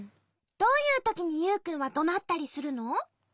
どういうときにユウくんはどなったりするの？